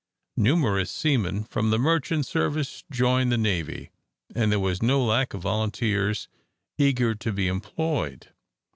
Numerous seamen from the merchant service joined the navy, and there was no lack of volunteers eager to be employed.